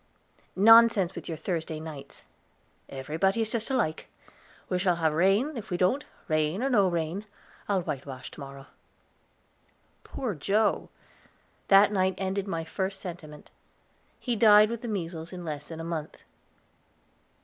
"Nonsense with your Thursday nights." "Everybody is just alike. We shall have rain, see if we don't; rain or no rain, I'll whitewash to morrow." Poor Joe! That night ended my first sentiment. He died with the measles in less than a month.